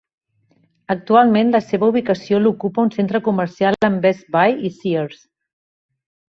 Actualment la seva ubicació l'ocupa un centre comercial amb Best Buy i Sears.